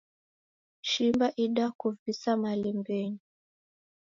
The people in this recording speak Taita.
Shimba idakuvisa malembenyi.